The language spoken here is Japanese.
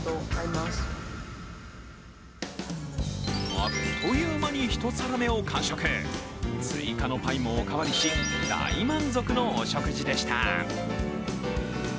あっという間に一皿目を完食追加のパイもおかわりし、大満足のお食事でした。